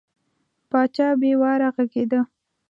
پاچا بې واره غږېده.